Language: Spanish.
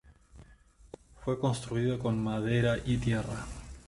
Fue construida con madera y tierra.